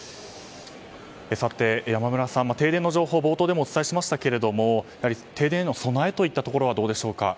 さて、山村さん停電の情報冒頭でもお伝えしましたが停電への備えといったところはどうでしょうか？